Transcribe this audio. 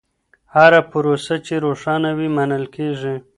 هره پروسه چې روښانه وي، منل کېږي.